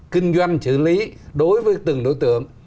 kinh doanh xử lý đối với từng đối tượng